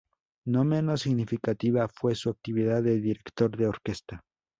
No menos significativa fue su actividad de director de orquesta.